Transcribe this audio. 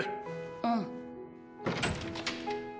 うん。